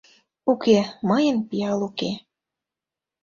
Уке, мыйын пиал уке...